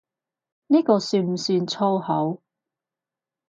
呢個算唔算粗口？